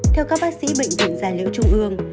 theo các bác sĩ bệnh viện gia liễu trung ương